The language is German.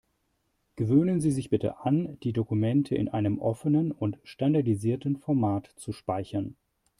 Gewöhnen Sie sich bitte an, die Dokumente in einem offenen und standardisierten Format zu speichern.